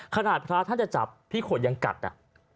ขนาดพระท่านจะจับพี่ขนยังกัดอ่ะ